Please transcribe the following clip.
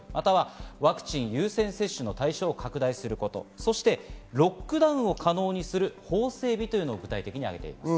ワクチン優先接種の対象を拡大すること、そしてロックダウンを可能にする法整備とこういうことを具体的にあげています。